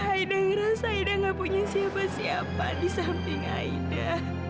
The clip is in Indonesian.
aida ngerasa aida gak punya siapa siapa di samping aida